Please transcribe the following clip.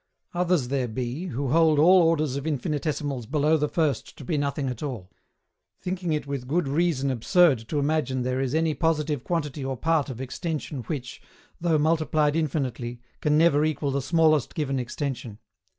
Others there be who hold all orders of infinitesimals below the first to be nothing at all; thinking it with good reason absurd to imagine there is any positive quantity or part of extension which, though multiplied infinitely, can never equal the smallest given extension.